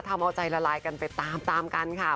ทำเอาใจละลายกันไปตามตามกันค่ะ